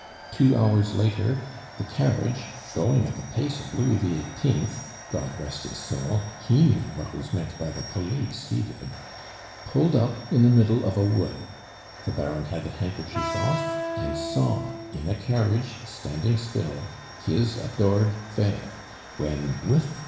"Two hours later, the carriage, going at the pace of Louis XVIII. God rest his soul! He knew what was meant by the police, he did! pulled up in the middle of a wood. The Baron had the handkerchief off, and saw, in a carriage standing still, his adored fair when, whiff!